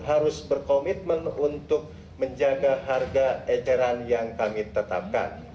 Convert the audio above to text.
harus berkomitmen untuk menjaga harga eceran yang kami tetapkan